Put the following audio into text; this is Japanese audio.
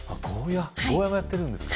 ゴーヤーもやってるんですか